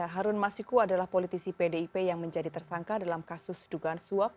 harun masiku adalah politisi pdip yang menjadi tersangka dalam kasus dugaan suap